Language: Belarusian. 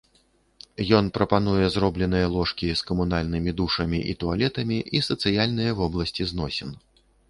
Ён прапануе зробленыя ложкі з камунальнымі душамі і туалетамі, і сацыяльныя вобласці зносін.